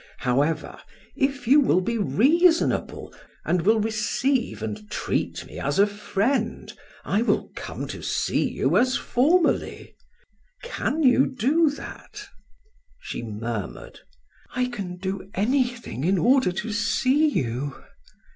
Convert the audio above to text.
However, if you will be reasonable, and will receive and treat me as a friend, I will come to see you as formerly. Can you do that?" She murmured: "I can do anything in order to see you."